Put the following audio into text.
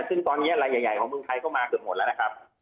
ซึ่งตอนนี้ลายใหญ่ของเมืองไทยก็มาเกือบหมดแล้วนะครับ